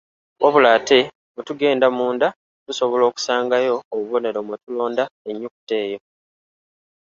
Wabula ate mu tugenda munda tusobola okusangayo obubonero mwe tulonda ennyukuta eyo.